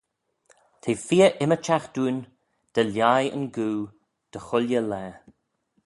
T'eh feer ymmyrçhagh dooin, dy lhaih yn goo dy chooilley laa.